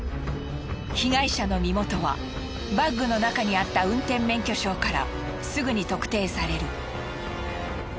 被害者の身元はバッグの中にあった運転免許証からすぐに特定される。